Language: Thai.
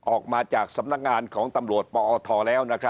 ออกมาจากสำนักงานของตำรวจปอทแล้ว